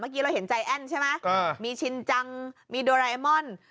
เมื่อกี้เราเห็นไจแอ้นใช่ไหมมีชินจังมีโดราแอมม่อน